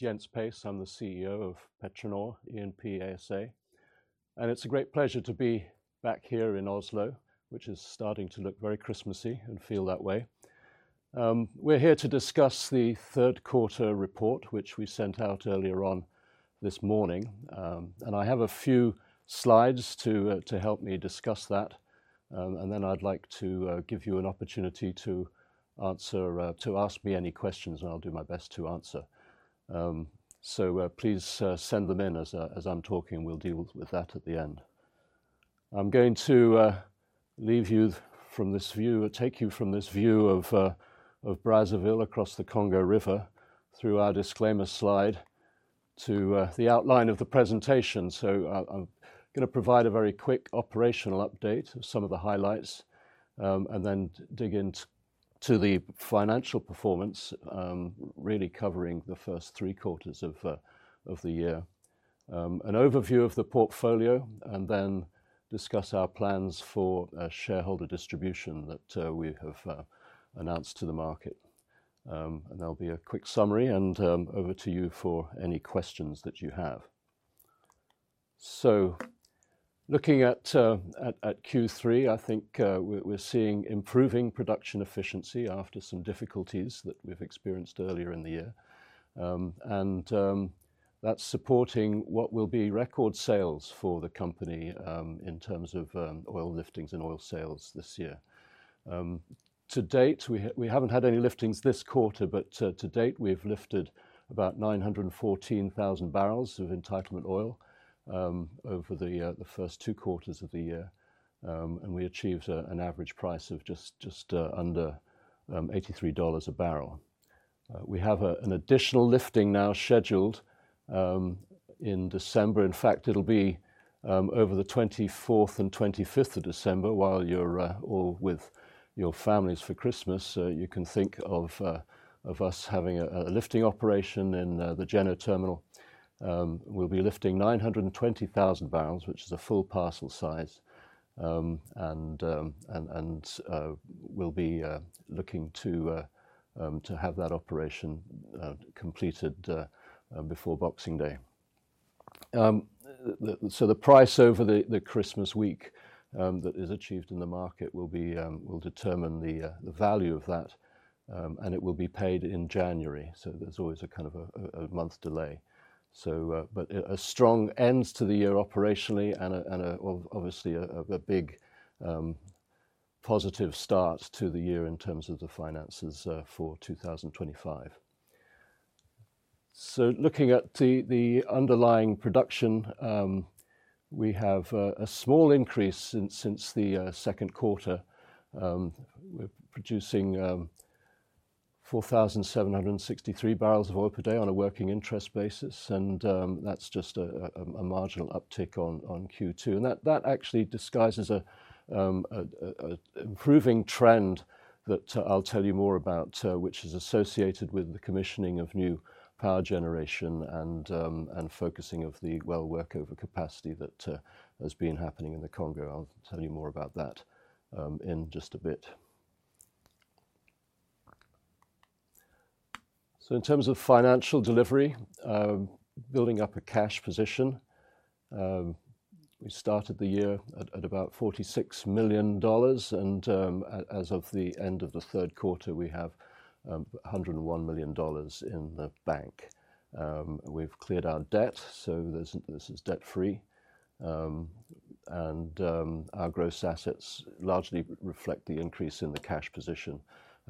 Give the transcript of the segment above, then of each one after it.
Jens Pace. I'm the CEO of PetroNor E&P ASA, and it's a great pleasure to be back here in Oslo, which is starting to look very Christmassy and feel that way. We're here to discuss the third quarter report, which we sent out earlier on this morning, and I have a few slides to help me discuss that, and then I'd like to give you an opportunity to answer, to ask me any questions, and I'll do my best to answer. So please send them in as I'm talking. We'll deal with that at the end. I'm going to leave you from this view, take you from this view of Brazzaville across the Congo River through our disclaimer slide to the outline of the presentation. So I'm going to provide a very quick operational update of some of the highlights and then dig into the financial performance, really covering the first three quarters of the year. An overview of the portfolio and then discuss our plans for shareholder distribution that we have announced to the market. And there'll be a quick summary and over to you for any questions that you have. So looking at Q3, I think we're seeing improving production efficiency after some difficulties that we've experienced earlier in the year, and that's supporting what will be record sales for the company in terms of oil liftings and oil sales this year. To date, we haven't had any liftings this quarter, but to date we've lifted about 914,000 barrels of entitlement oil over the first two quarters of the year, and we achieved an average price of just under $83 a barrel. We have an additional lifting now scheduled in December. In fact, it'll be over the 24th and 25th of December while you're all with your families for Christmas. You can think of us having a lifting operation in the Djeno Terminal. We'll be lifting 920,000 barrels, which is a full parcel size, and we'll be looking to have that operation completed before Boxing Day. So the price over the Christmas week that is achieved in the market will determine the value of that, and it will be paid in January. So there's always a kind of a month delay. But a strong end to the year operationally and obviously a big positive start to the year in terms of the finances for 2025. So looking at the underlying production, we have a small increase since the second quarter. We're producing 4,763 barrels of oil per day on a working interest basis, and that's just a marginal uptick on Q2, and that actually disguises an improving trend that I'll tell you more about, which is associated with the commissioning of new power generation and focusing of the well workover capacity that has been happening in the Congo. I'll tell you more about that in just a bit, so in terms of financial delivery, building up a cash position, we started the year at about $46 million, and as of the end of the third quarter, we have $101 million in the bank. We've cleared our debt, so this is debt free, and our gross assets largely reflect the increase in the cash position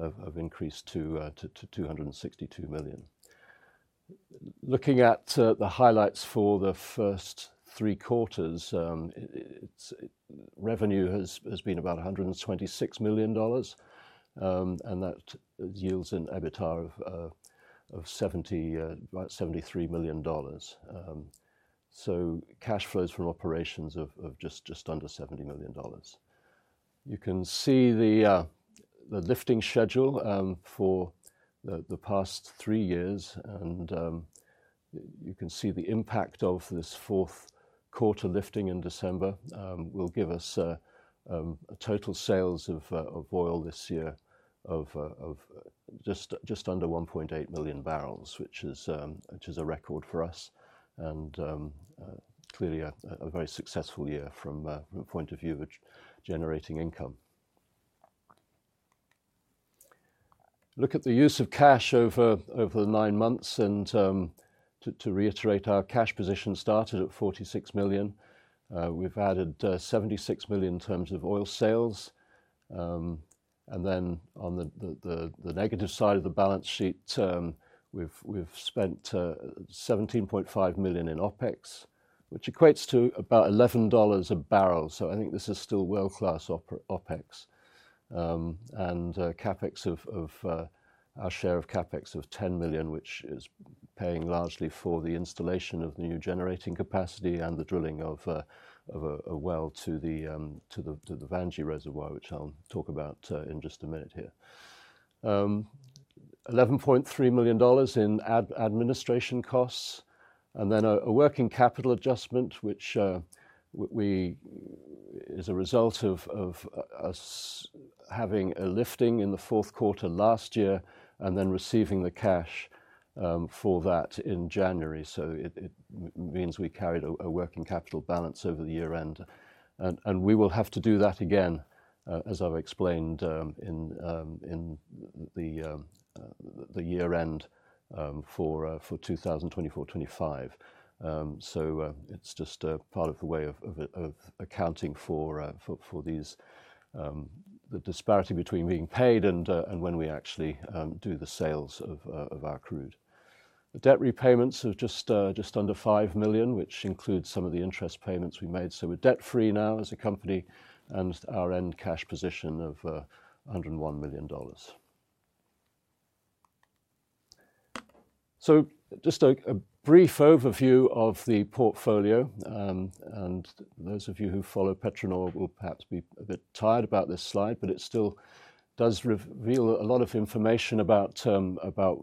of increased to $262 million. Looking at the highlights for the first three quarters, revenue has been about $126 million, and that yields an EBITDA of about $73 million, so cash flows from operations of just under $70 million. You can see the lifting schedule for the past three years, and you can see the impact of this fourth quarter lifting in December will give us a total sales of oil this year of just under 1.8 million barrels, which is a record for us and clearly a very successful year from the point of view of generating income. Look at the use of cash over the nine months, and to reiterate, our cash position started at $46 million. We've added $76 million in terms of oil sales, and then on the negative side of the balance sheet, we've spent $17.5 million in OpEx, which equates to about $11 a barrel. I think this is still world-class OpEx, and our share of CapEx of $10 million, which is paying largely for the installation of the new generating capacity and the drilling of a well to the Vandji Reservoir, which I'll talk about in just a minute here. $11.3 million in administration costs, and then a working capital adjustment, which is a result of us having a lifting in the fourth quarter last year and then receiving the cash for that in January. It means we carried a working capital balance over the year end, and we will have to do that again, as I've explained, in the year end for 2024-2025. It's just part of the way of accounting for the disparity between being paid and when we actually do the sales of our crude. The debt repayments are just under $5 million, which includes some of the interest payments we made. So we're debt free now as a company and our end cash position of $101 million. So just a brief overview of the portfolio, and those of you who follow PetroNor will perhaps be a bit tired about this slide, but it still does reveal a lot of information about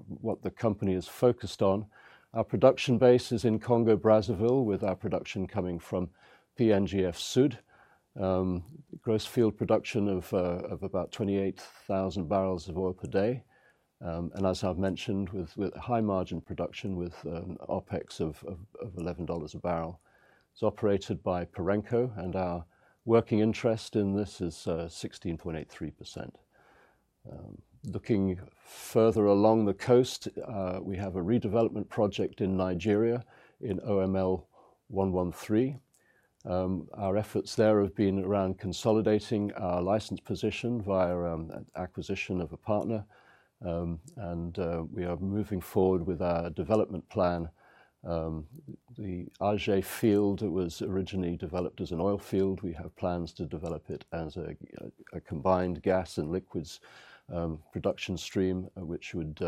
what the company is focused on. Our production base is in Congo-Brazzaville, with our production coming from PNGF Sud, gross field production of about 28,000 barrels of oil per day, and as I've mentioned, with high margin production with OpEx of $11 a barrel. It's operated by Perenco, and our working interest in this is 16.83%. Looking further along the coast, we have a redevelopment project in Nigeria in OML 113. Our efforts there have been around consolidating our license position via acquisition of a partner, and we are moving forward with our development plan. The Aje field, it was originally developed as an oil field. We have plans to develop it as a combined gas and liquids production stream, which would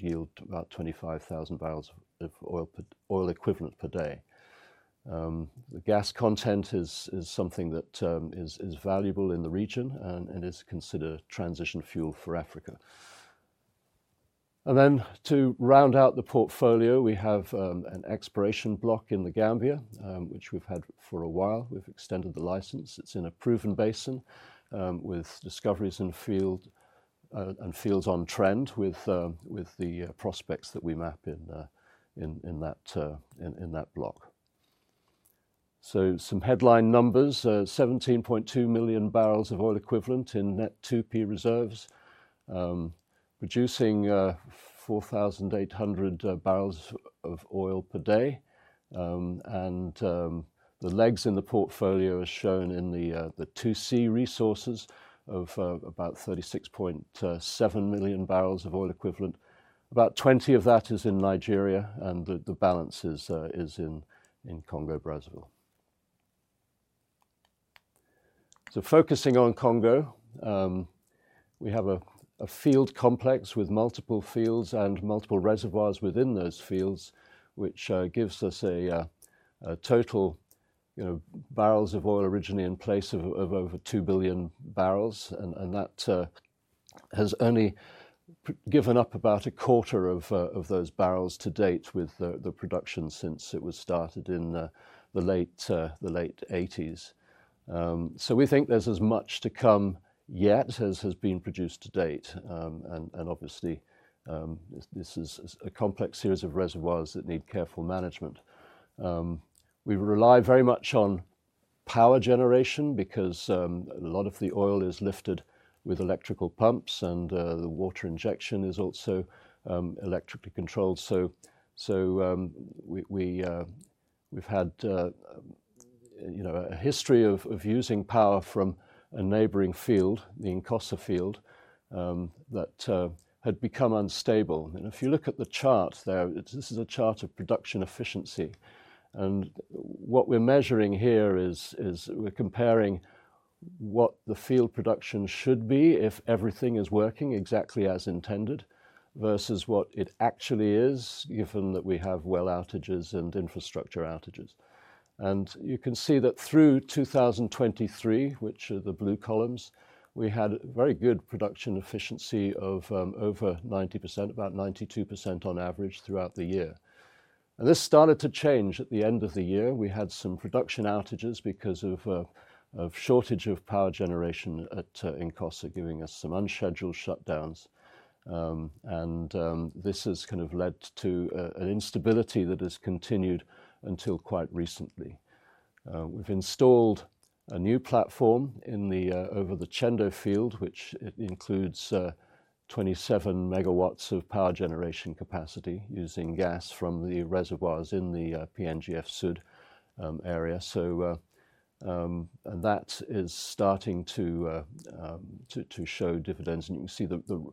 yield about 25,000 barrels of oil equivalent per day. The gas content is something that is valuable in the region and is considered transition fuel for Africa, and then to round out the portfolio, we have an exploration block in The Gambia, which we've had for a while. We've extended the license. It's in a proven basin with discoveries in field and fields on trend with the prospects that we map in that block, so some headline numbers: 17.2 million barrels of oil equivalent in net 2P reserves, producing 4,800 barrels of oil per day. The legs in the portfolio are shown in the 2C resources of about 36.7 million barrels of oil equivalent. About 20 of that is in Nigeria, and the balance is in Congo-Brazzaville. Focusing on Congo, we have a field complex with multiple fields and multiple reservoirs within those fields, which gives us a total barrels of oil originally in place of over 2 billion barrels, and that has only given up about a quarter of those barrels to date with the production since it was started in the late 1980s. We think there's as much to come yet as has been produced to date, and obviously, this is a complex series of reservoirs that need careful management. We rely very much on power generation because a lot of the oil is lifted with electrical pumps, and the water injection is also electrically controlled. We've had a history of using power from a neighboring field, the Nkossa field, that had become unstable. If you look at the chart there, this is a chart of production efficiency. What we're measuring here is we're comparing what the field production should be if everything is working exactly as intended versus what it actually is, given that we have well outages and infrastructure outages. You can see that through 2023, which are the blue columns, we had very good production efficiency of over 90%, about 92% on average throughout the year. This started to change at the end of the year. We had some production outages because of a shortage of power generation at Nkossa giving us some unscheduled shutdowns, and this has kind of led to an instability that has continued until quite recently. We've installed a new platform over the Tchendo field, which includes 27 MW of power generation capacity using gas from the reservoirs in the PNGF Sud area, and that is starting to show dividends, and you can see the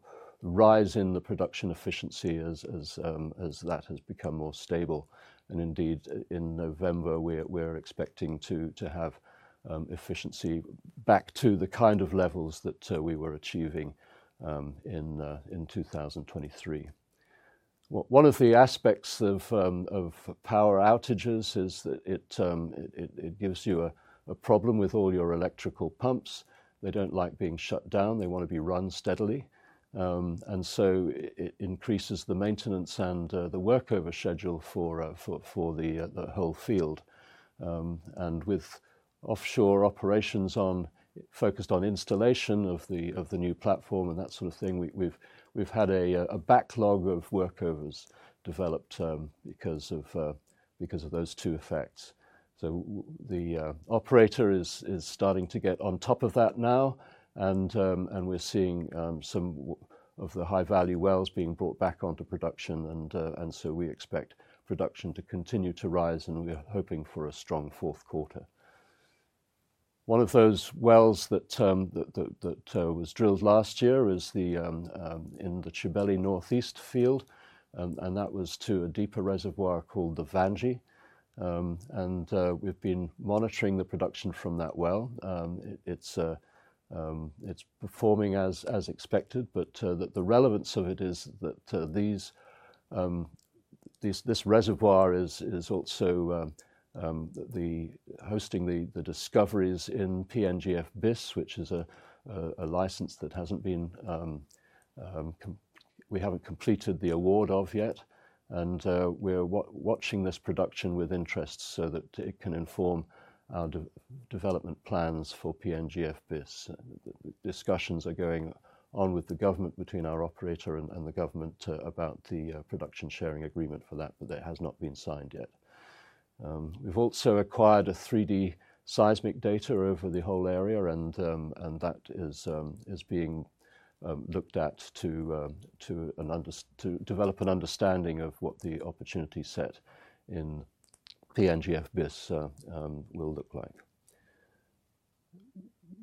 rise in the production efficiency as that has become more stable, and indeed, in November, we're expecting to have efficiency back to the kind of levels that we were achieving in 2023. One of the aspects of power outages is that it gives you a problem with all your electrical pumps. They don't like being shut down. They want to be run steadily, and so it increases the maintenance and the workover schedule for the whole field, and with offshore operations focused on installation of the new platform and that sort of thing, we've had a backlog of workovers developed because of those two effects. So the operator is starting to get on top of that now, and we're seeing some of the high-value wells being brought back onto production, and so we expect production to continue to rise, and we're hoping for a strong fourth quarter. One of those wells that was drilled last year is in the Tchibeli Northeast field, and that was to a deeper reservoir called the Vandji. And we've been monitoring the production from that well. It's performing as expected, but the relevance of it is that this reservoir is also hosting the discoveries in PNGF Bis, which is a license that we haven't completed the award of yet. And we're watching this production with interest so that it can inform our development plans for PNGF Bis. Discussions are going on with the government, between our operator and the government, about the production sharing agreement for that, but that has not been signed yet. We've also acquired 3D seismic data over the whole area, and that is being looked at to develop an understanding of what the opportunity set in PNGF Bis will look like.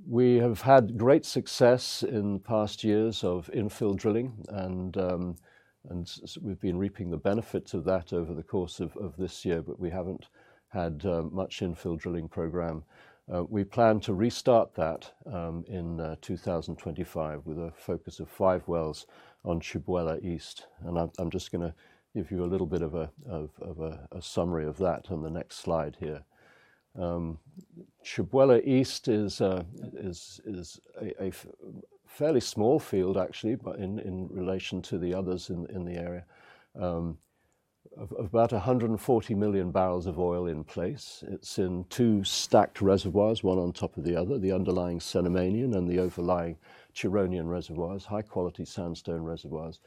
We have had great success in past years of infill drilling, and we've been reaping the benefits of that over the course of this year, but we haven't had much infill drilling program. We plan to restart that in 2025 with a focus of five wells on Tchibouela East, and I'm just going to give you a little bit of a summary of that on the next slide here. Tchibouela East is a fairly small field, actually, in relation to the others in the area. Of about 140 million barrels of oil in place, it's in two stacked reservoirs, one on top of the other, the underlying Cenomanian and the overlying Turonian reservoirs, high-quality sandstone reservoirs,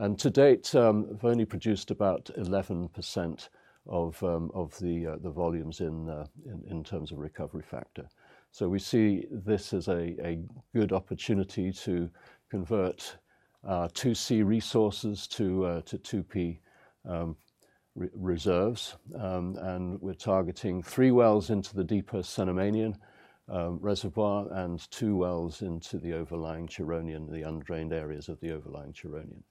and to date, we've only produced about 11% of the volumes in terms of recovery factor, so we see this as a good opportunity to convert 2C resources to 2P reserves, and we're targeting three wells into the deeper Cenomanian reservoir and two wells into the overlying Turonian, the undrained areas of the overlying Turonian,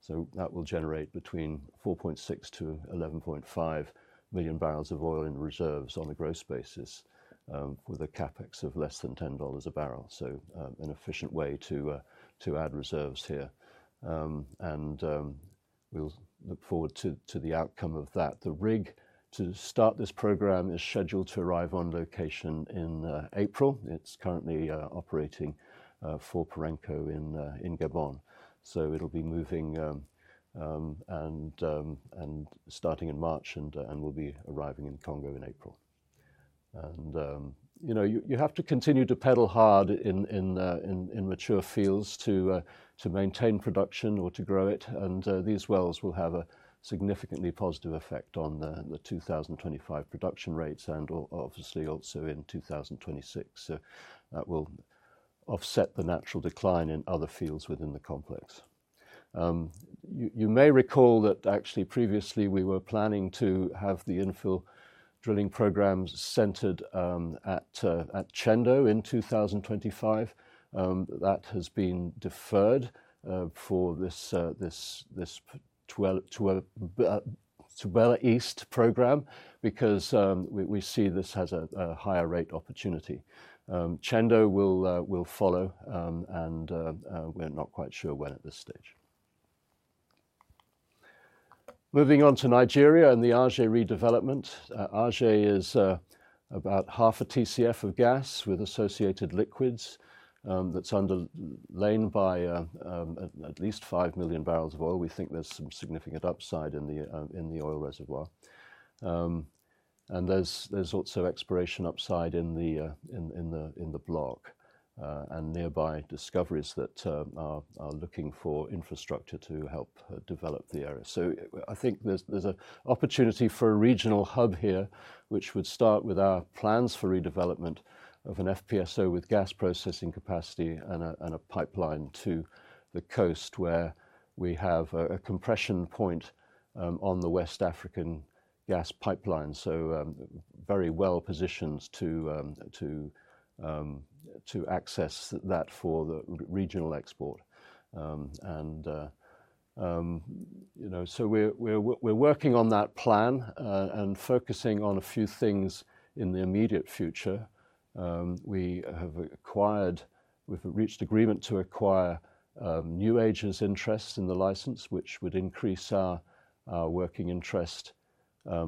so that will generate between 4.6-11.5 million barrels of oil in reserves on a gross basis with a CapEx of less than $10 a barrel, so an efficient way to add reserves here, and we'll look forward to the outcome of that. The rig to start this program is scheduled to arrive on location in April. It's currently operating for Perenco in Gabon. So it'll be moving and starting in March and will be arriving in Congo in April. And you have to continue to pedal hard in mature fields to maintain production or to grow it, and these wells will have a significantly positive effect on the 2025 production rates and obviously also in 2026. So that will offset the natural decline in other fields within the complex. You may recall that actually previously we were planning to have the infill drilling programs centered at Tchendo in 2025. That has been deferred for this Tchibouela East program because we see this has a higher rate opportunity. Tchendo will follow, and we're not quite sure when at this stage. Moving on to Nigeria and the Aje redevelopment. Aje is about half a TCF of gas with associated liquids that's underlain by at least 5 million barrels of oil. We think there's some significant upside in the oil reservoir, and there's also exploration upside in the block and nearby discoveries that are looking for infrastructure to help develop the area, so I think there's an opportunity for a regional hub here, which would start with our plans for redevelopment of an FPSO with gas processing capacity and a pipeline to the coast where we have a compression point on the West African Gas Pipeline, so very well positioned to access that for the regional export. And so we're working on that plan and focusing on a few things in the immediate future. We have reached agreement to acquire New Age's interests in the license, which would increase our working interest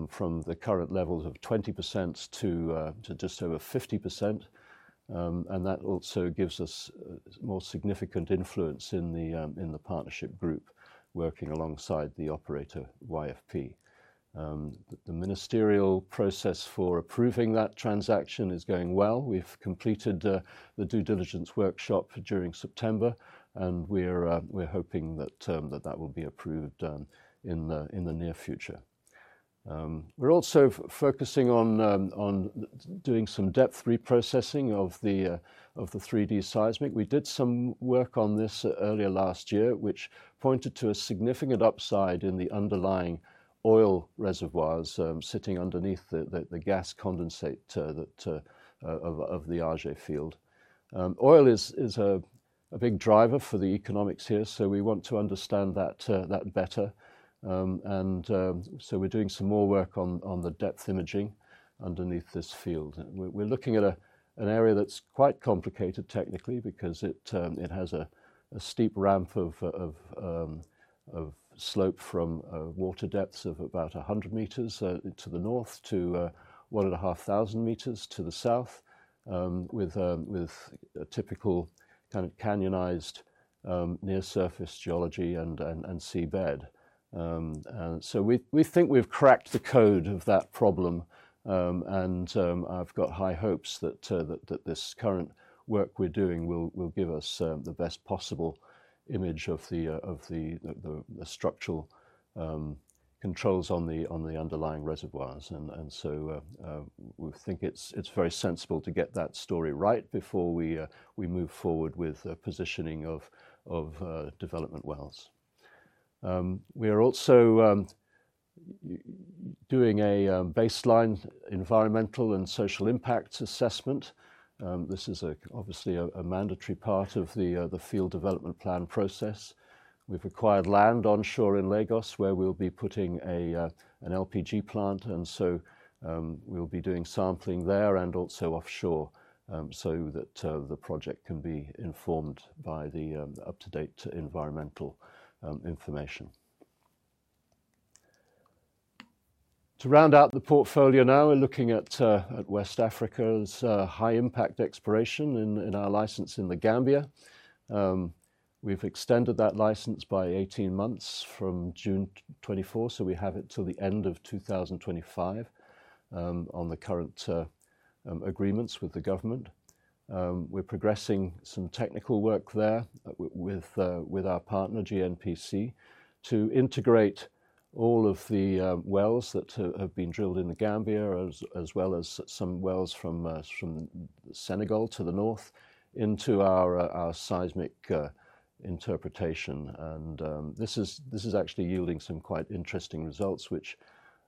from the current levels of 20% to just over 50%, and that also gives us more significant influence in the partnership group working alongside the operator, YFP. The ministerial process for approving that transaction is going well. We've completed the due diligence workshop during September, and we're hoping that that will be approved in the near future. We're also focusing on doing some depth reprocessing of the 3D seismic. We did some work on this earlier last year, which pointed to a significant upside in the underlying oil reservoirs sitting underneath the gas condensate of the Aje field. Oil is a big driver for the economics here, so we want to understand that better, and so we're doing some more work on the depth imaging underneath this field. We're looking at an area that's quite complicated technically because it has a steep ramp of slope from water depths of about 100 meters to the north to 1,500 meters to the south with a typical kind of canyonized near-surface geology and seabed, so we think we've cracked the code of that problem, and I've got high hopes that this current work we're doing will give us the best possible image of the structural controls on the underlying reservoirs, and so we think it's very sensible to get that story right before we move forward with positioning of development wells. We are also doing a baseline environmental and social impact assessment. This is obviously a mandatory part of the field development plan process. We've acquired land onshore in Lagos where we'll be putting an LPG plant, and so we'll be doing sampling there and also offshore so that the project can be informed by the up-to-date environmental information. To round out the portfolio now, we're looking at West Africa's high-impact exploration in our license in the Gambia. We've extended that license by 18 months from June 24, so we have it till the end of 2025 on the current agreements with the government. We're progressing some technical work there with our partner, GNPC, to integrate all of the wells that have been drilled in the Gambia, as well as some wells from Senegal to the north into our seismic interpretation. And this is actually yielding some quite interesting results, which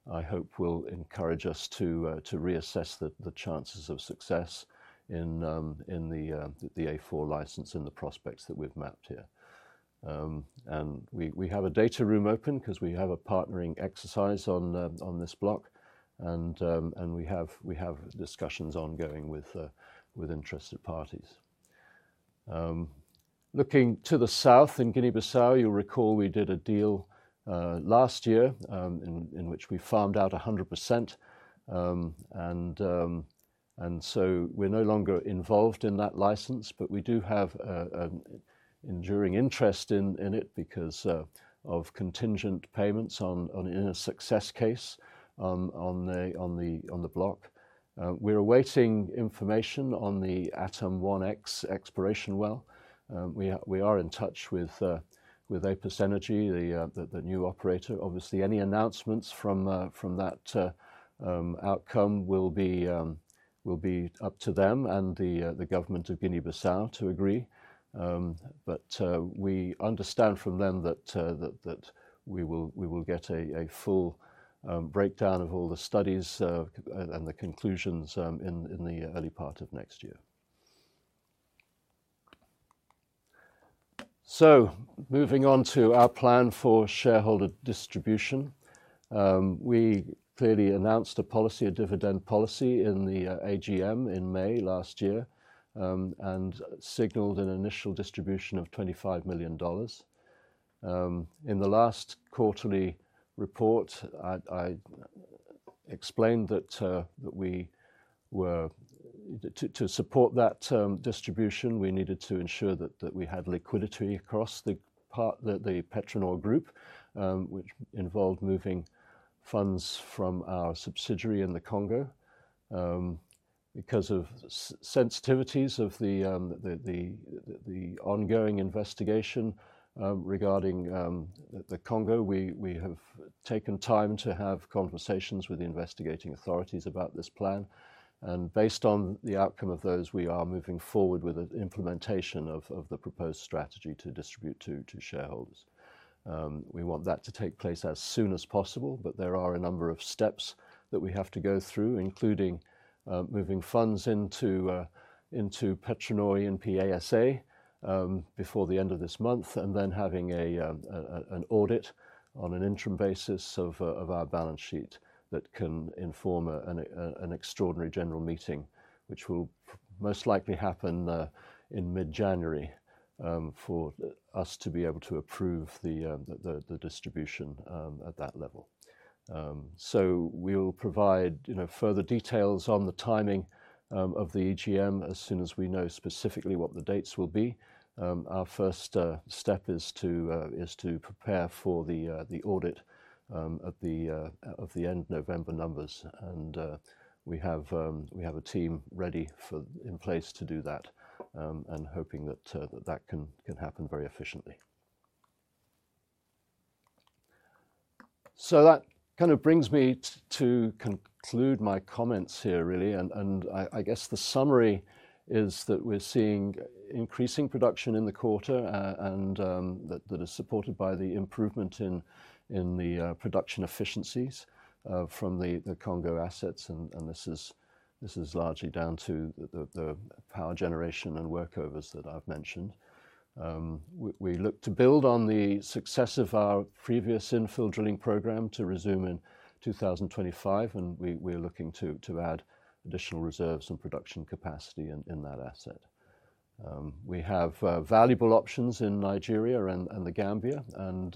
I hope will encourage us to reassess the chances of success in the A4 license and the prospects that we've mapped here. We have a data room open because we have a partnering exercise on this block, and we have discussions ongoing with interested parties. Looking to the south in Guinea-Bissau, you'll recall we did a deal last year in which we farmed out 100%. We're no longer involved in that license, but we do have an enduring interest in it because of contingent payments on a success case on the block. We're awaiting information on the Atum-1x exploration well. We are in touch with Apus Energy, the new operator. Obviously, any announcements from that outcome will be up to them and the government of Guinea-Bissau to agree. We understand from them that we will get a full breakdown of all the studies and the conclusions in the early part of next year. So moving on to our plan for shareholder distribution, we clearly announced a dividend policy in the AGM in May last year and signaled an initial distribution of $25 million. In the last quarterly report, I explained that to support that distribution, we needed to ensure that we had liquidity across the PetroNor Group, which involved moving funds from our subsidiary in the Congo. Because of sensitivities of the ongoing investigation regarding the Congo, we have taken time to have conversations with the investigating authorities about this plan. And based on the outcome of those, we are moving forward with the implementation of the proposed strategy to distribute to shareholders. We want that to take place as soon as possible, but there are a number of steps that we have to go through, including moving funds into PetroNor in PSA before the end of this month, and then having an audit on an interim basis of our balance sheet that can inform an extraordinary general meeting, which will most likely happen in mid-January for us to be able to approve the distribution at that level. So we will provide further details on the timing of the AGM as soon as we know specifically what the dates will be. Our first step is to prepare for the audit of the end-November numbers, and we have a team ready in place to do that and hoping that that can happen very efficiently. So that kind of brings me to conclude my comments here, really. And I guess the summary is that we're seeing increasing production in the quarter and that is supported by the improvement in the production efficiencies from the Congo assets. And this is largely down to the power generation and workovers that I've mentioned. We look to build on the success of our previous infill drilling program to resume in 2025, and we're looking to add additional reserves and production capacity in that asset. We have valuable options in Nigeria and The Gambia, and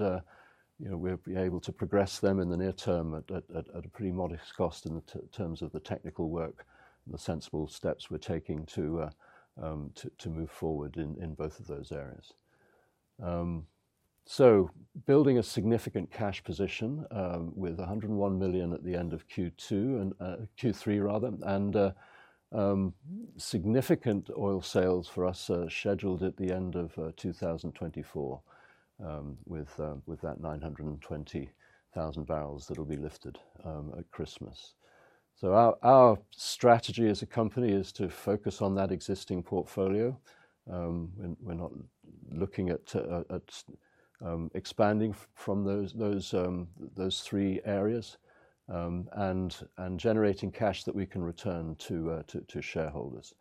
we'll be able to progress them in the near term at a pretty modest cost in terms of the technical work and the sensible steps we're taking to move forward in both of those areas. So building a significant cash position with 101 million at the end of Q3, rather, and significant oil sales for us scheduled at the end of 2024 with that 920,000 barrels that will be lifted at Christmas. So our strategy as a company is to focus on that existing portfolio. We're not looking at expanding from those three areas and generating cash that we can return to shareholders.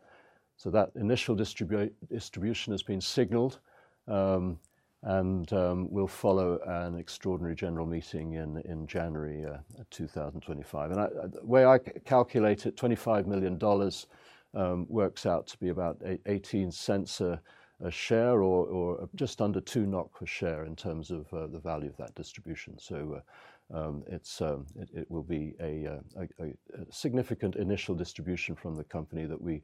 So that initial distribution has been signaled, and we'll follow an extraordinary general meeting in January 2025. And the way I calculate it, $25 million works out to be about $0.18 a share or just under two NOK per share in terms of the value of that distribution. So it will be a significant initial distribution from the company that we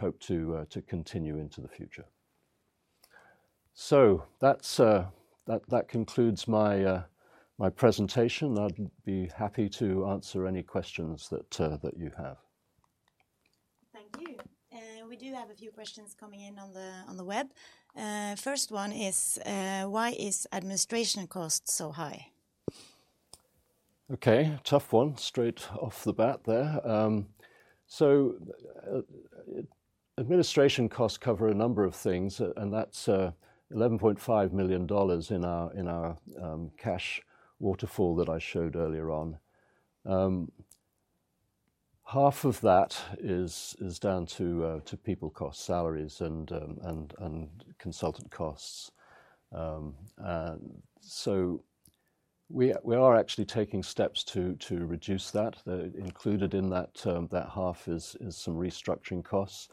hope to continue into the future. So that concludes my presentation. I'd be happy to answer any questions that you have. Thank you. And we do have a few questions coming in on the web. First one is, why is administration cost so high? Okay, tough one straight off the bat there. So administration costs cover a number of things, and that's $11.5 million in our cash waterfall that I showed earlier on. Half of that is down to people costs, salaries, and consultant costs. So we are actually taking steps to reduce that. Included in that half is some restructuring costs.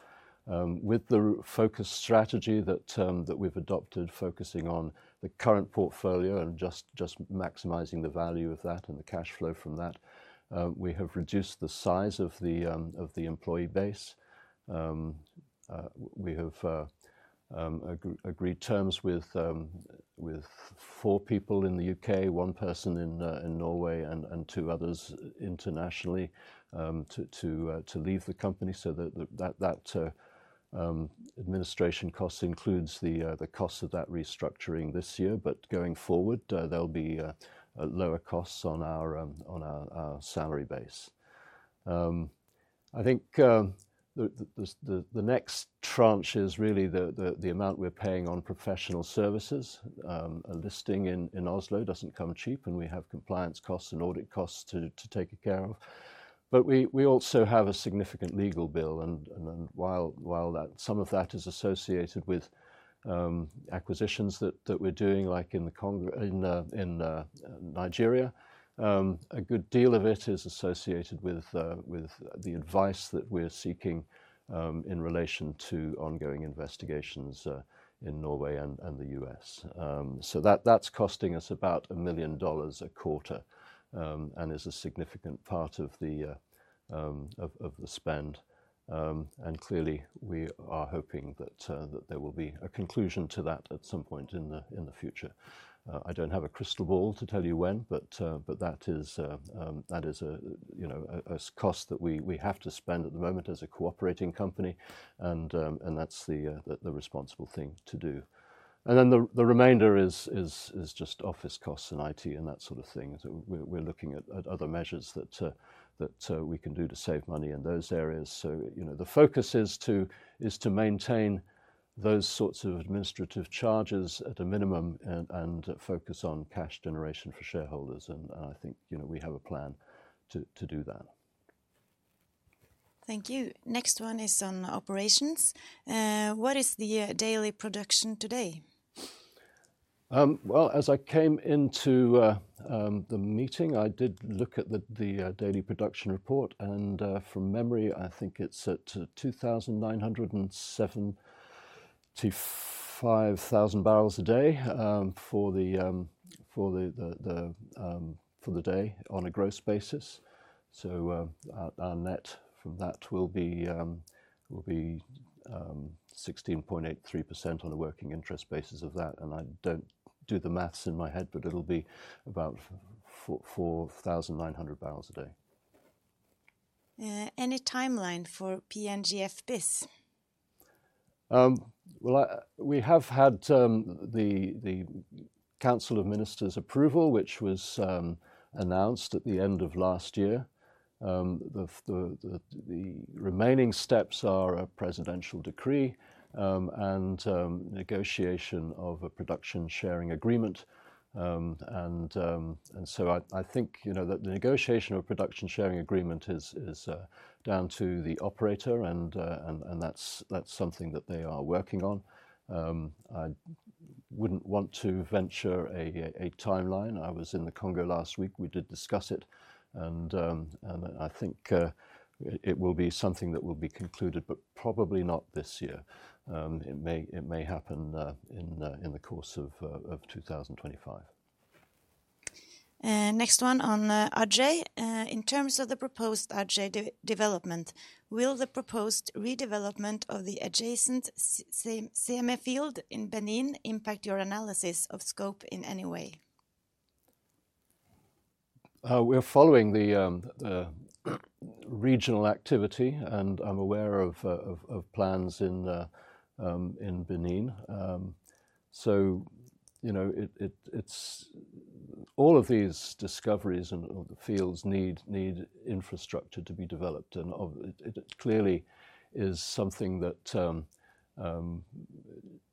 With the focus strategy that we've adopted, focusing on the current portfolio and just maximizing the value of that and the cash flow from that, we have reduced the size of the employee base. We have agreed terms with four people in the U.K., one person in Norway, and two others internationally to leave the company. So that administration cost includes the cost of that restructuring this year, but going forward, there'll be lower costs on our salary base. I think the next tranche is really the amount we're paying on professional services. A listing in Oslo doesn't come cheap, and we have compliance costs and audit costs to take care of. But we also have a significant legal bill, and while some of that is associated with acquisitions that we're doing, like in Nigeria, a good deal of it is associated with the advice that we're seeking in relation to ongoing investigations in Norway and the U.S. So that's costing us about $1 million a quarter and is a significant part of the spend. And clearly, we are hoping that there will be a conclusion to that at some point in the future. I don't have a crystal ball to tell you when, but that is a cost that we have to spend at the moment as a cooperating company, and that's the responsible thing to do. And then the remainder is just office costs and IT and that sort of thing. We're looking at other measures that we can do to save money in those areas. So the focus is to maintain those sorts of administrative charges at a minimum and focus on cash generation for shareholders. And I think we have a plan to do that. Thank you. Next one is on operations. What is the daily production today? Well, as I came into the meeting, I did look at the daily production report, and from memory, I think it's at 2,975,000 barrels a day for the day on a gross basis. So our net from that will be 16.83% on a working interest basis of that. And I don't do the math in my head, but it'll be about 4,900 barrels a day. Any timeline for PNGF Bis? Well, we have had the Council of Ministers approval, which was announced at the end of last year. The remaining steps are a presidential decree and negotiation of a production sharing agreement. And so I think that the negotiation of a production sharing agreement is down to the operator, and that's something that they are working on. I wouldn't want to venture a timeline. I was in the Congo last week. We did discuss it, and I think it will be something that will be concluded, but probably not this year. It may happen in the course of 2025. Next one on Aje. In terms of the proposed Aje development, will the proposed redevelopment of the adjacent Sèmè field in Benin impact your analysis of scope in any way? We're following the regional activity, and I'm aware of plans in Benin, so all of these discoveries and the fields need infrastructure to be developed, and it clearly is something that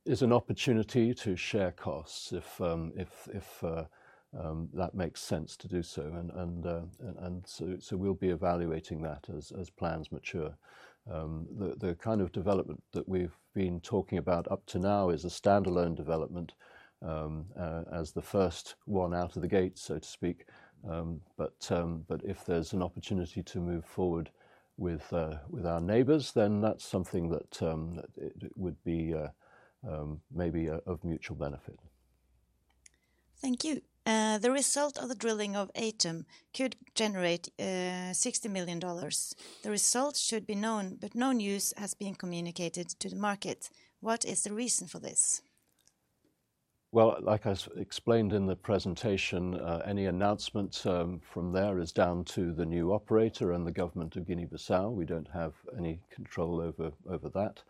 is an opportunity to share costs if that makes sense to do so, and so we'll be evaluating that as plans mature. The kind of development that we've been talking about up to now is a standalone development as the first one out of the gate, so to speak, but if there's an opportunity to move forward with our neighbors, then that's something that would be maybe of mutual benefit. Thank you. The result of the drilling of Atum could generate $60 million. The result should be known, but no news has been communicated to the market. What is the reason for this? Well, like I explained in the presentation, any announcement from there is down to the new operator and the government of Guinea-Bissau. We don't have any control over that.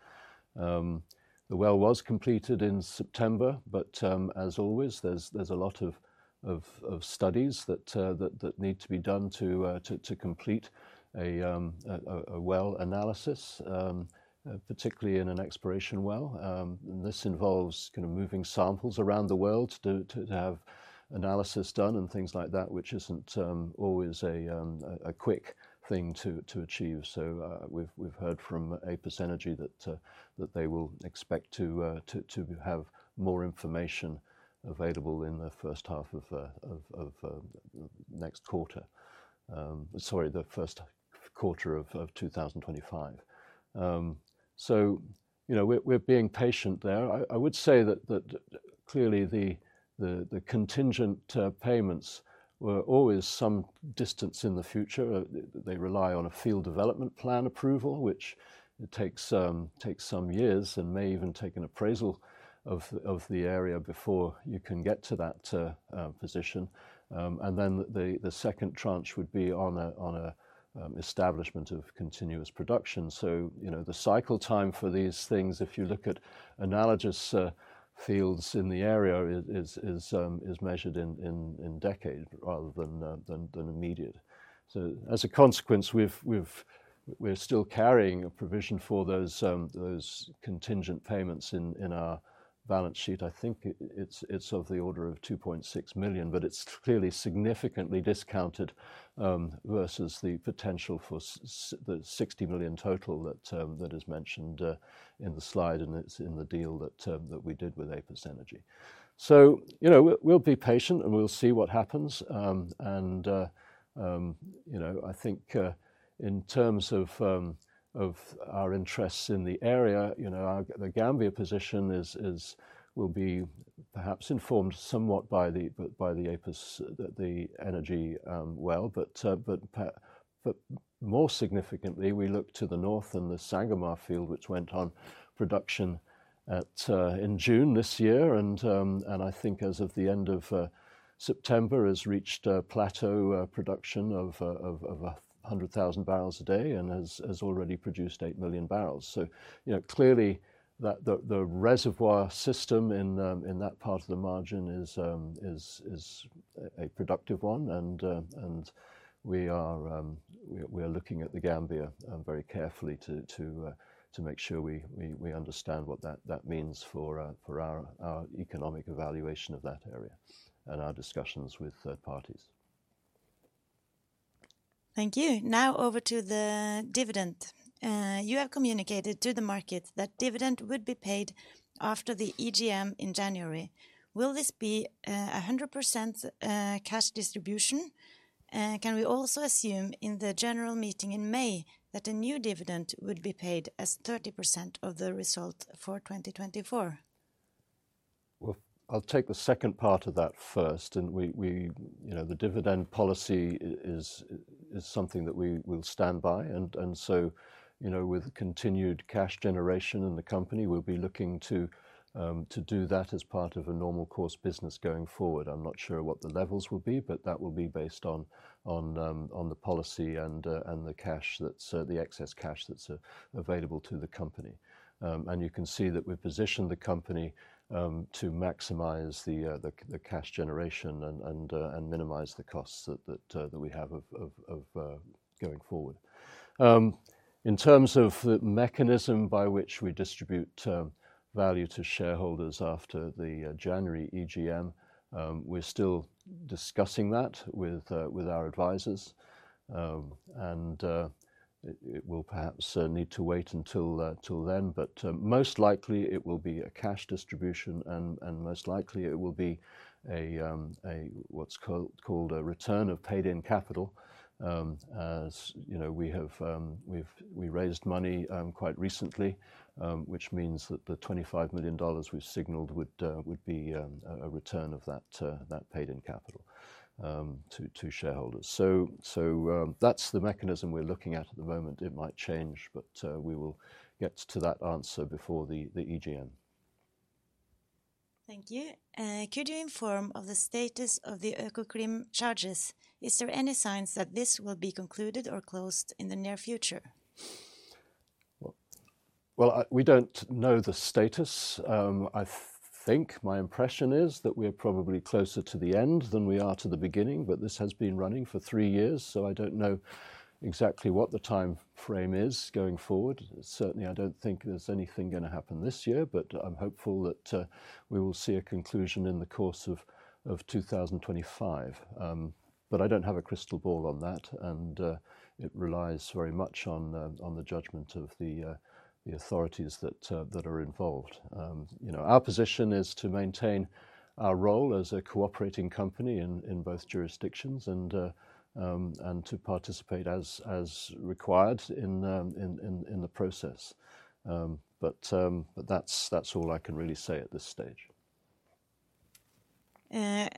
The well was completed in September, but as always, there's a lot of studies that need to be done to complete a well analysis, particularly in an exploration well. This involves kind of moving samples around the world to have analysis done and things like that, which isn't always a quick thing to achieve. So we've heard from Apus Energy that they will expect to have more information available in the first half of next quarter, sorry, the first quarter of 2025. So we're being patient there. I would say that clearly the contingent payments were always some distance in the future. They rely on a field development plan approval, which takes some years and may even take an appraisal of the area before you can get to that position. And then the second tranche would be on an establishment of continuous production. So the cycle time for these things, if you look at analogous fields in the area, is measured in decades rather than immediate. So as a consequence, we're still carrying a provision for those contingent payments in our balance sheet. I think it's of the order of $2.6 million, but it's clearly significantly discounted versus the potential for the $60 million total that is mentioned in the slide and it's in the deal that we did with Apus Energy. So we'll be patient and we'll see what happens. I think in terms of our interests in the area, The Gambia position will be perhaps informed somewhat by the Apus Energy well. But more significantly, we look to the north and the Sangamar field, which went on production in June this year. And I think as of the end of September, has reached plateau production of 100,000 barrels a day and has already produced 8 million barrels. So clearly, the reservoir system in that part of the margin is a productive one. And we are looking at The Gambia very carefully to make sure we understand what that means for our economic evaluation of that area and our discussions with third parties. Thank you. Now over to the dividend. You have communicated to the market that dividend would be paid after the EGM in January. Will this be a 100% cash distribution? Can we also assume in the general meeting in May that a new dividend would be paid as 30% of the result for 2024? I'll take the second part of that first. The dividend policy is something that we will stand by. With continued cash generation in the company, we'll be looking to do that as part of a normal course business going forward. I'm not sure what the levels will be, but that will be based on the policy and the excess cash that's available to the company. You can see that we've positioned the company to maximize the cash generation and minimize the costs that we have going forward. In terms of the mechanism by which we distribute value to shareholders after the January EGM, we're still discussing that with our advisors. It will perhaps need to wait until then, but most likely it will be a cash distribution and most likely it will be what's called a return of paid-in capital. We raised money quite recently, which means that the $25 million we've signaled would be a return of that paid-in capital to shareholders. So that's the mechanism we're looking at at the moment. It might change, but we will get to that answer before the EGM. Thank you. Could you inform of the status of the Økokrim charges? Is there any signs that this will be concluded or closed in the near future? We don't know the status. I think my impression is that we're probably closer to the end than we are to the beginning, but this has been running for three years, so I don't know exactly what the time frame is going forward. Certainly, I don't think there's anything going to happen this year, but I'm hopeful that we will see a conclusion in the course of 2025. But I don't have a crystal ball on that, and it relies very much on the judgment of the authorities that are involved. Our position is to maintain our role as a cooperating company in both jurisdictions and to participate as required in the process. But that's all I can really say at this stage.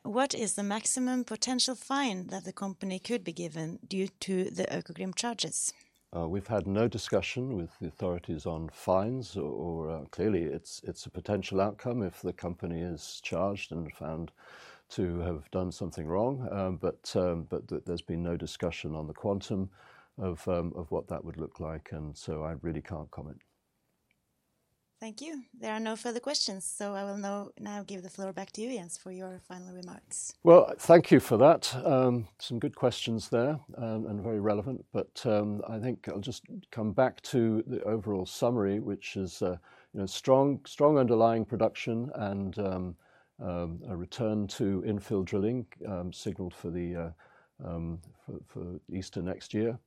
What is the maximum potential fine that the company could be given due to the Økokrim charges? We've had no discussion with the authorities on fines. Clearly, it's a potential outcome if the company is charged and found to have done something wrong, but there's been no discussion on the quantum of what that would look like, and so I really can't comment. Thank you. There are no further questions, so I will now give the floor back to you, Jens, for your final remarks. Well, thank you for that. Some good questions there and very relevant, but I think I'll just come back to the overall summary, which is strong underlying production and a return to infill drilling signaled for Easter next year.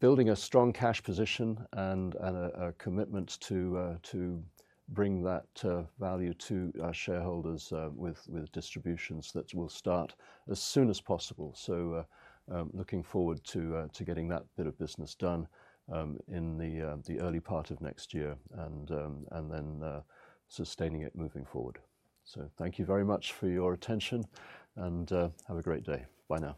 Building a strong cash position and a commitment to bring that value to our shareholders with distributions that will start as soon as possible. So looking forward to getting that bit of business done in the early part of next year and then sustaining it moving forward. So thank you very much for your attention and have a great day. Bye now.